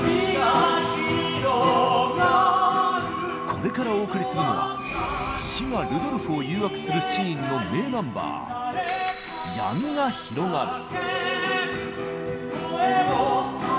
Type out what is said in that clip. これからお送りするのは「死」がルドルフを誘惑するシーンの名ナンバー「闇が広がる」。